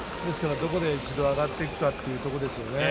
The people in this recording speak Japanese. どこで一度上がっていくかということですね。